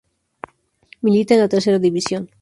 Milita en la Tercera División.